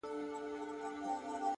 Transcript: سپوږمۍ کي هم سته توسيرې- راته راوبهيدې-